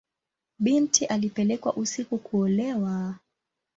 Binti alipelekwa usiku kuolewa.